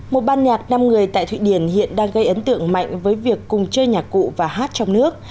một ban nhạc năm người tại thụy điển hiện đang gây ấn tượng mạnh với việc cùng chơi nhạc cụ và hát trong nước